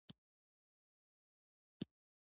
راکټ د فزیکي اصولو بشپړ اطاعت کوي